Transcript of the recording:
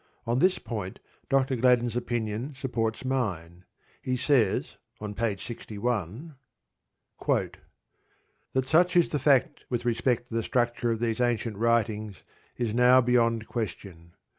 On this point Dr. Gladden's opinion supports mine. He says, on page 61: That such is the fact with respect to the structure of these ancient writings is now beyond question.